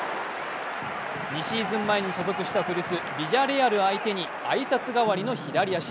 ２シーズン前に所属した古巣・ビジャレアル相手に挨拶代わりの左足。